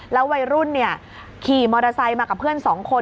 วัยรุ่นขี่มอเตอร์ไซค์มากับเพื่อน๒คน